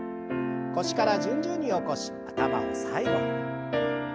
腰から順々に起こし頭を最後に。